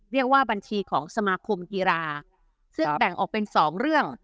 เรียกว่าบัญชีของสมาคมกีฬาซึ่งแบ่งออกเป็นสองเรื่อง